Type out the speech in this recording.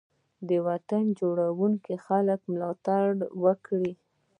د وطن جوړونکو خلګو ملاتړ وکړئ.